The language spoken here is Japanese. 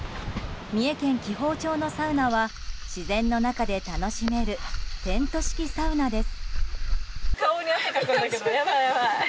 三重県紀宝町のサウナは自然の中で楽しめるテント式サウナです。